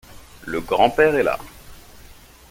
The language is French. Le grand-père est là.